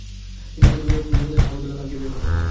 তিনি তেতুলিয়া জমিদার হামিদুল্লাহ খানকে বিয়ে করেন।